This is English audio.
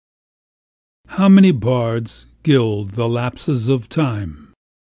HOW many bards gild the lapses of time!